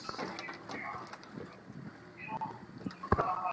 Shopping করে lunch তারপর cinema, এইতো।